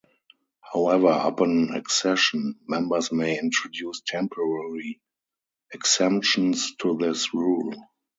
However, upon accession, members may introduce temporary exemptions to this rule.